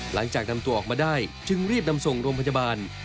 หลังจากนำตัวออกมาได้จึงรีบนำส่งโรงพยาบาล